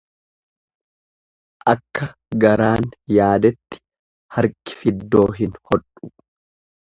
Akka garaan yaadetti harki fiddoo hin hodhu.